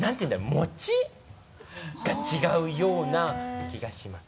持ちが違うような気がします。